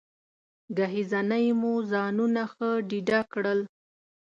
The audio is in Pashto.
ګهیځنۍ مو ځانونه ښه ډېډه کړل.